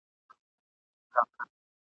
تر څو حکمونه له حُجرې وي !.